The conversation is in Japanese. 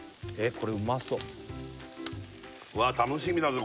これうまそうわ楽しみだぜ